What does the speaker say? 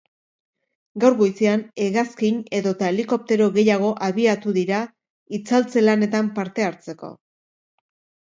Gaur goizean hegazkin edota helikoptero gehiago abiatu dira itzaltze lanetan parte hartzeko.